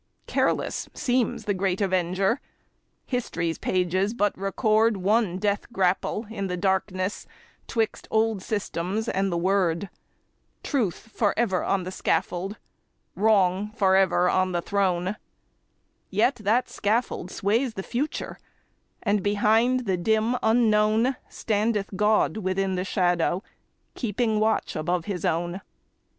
Careless seems the great Avenger; history's pages but record One death grapple in the darkness 'twixt old systems and the Word; Truth forever on the scaffold, Wrong forever on the throne,— Yet that scaffold sways the future, and, behind the dim unknown, Standeth God within the shadow, keeping watch above his own.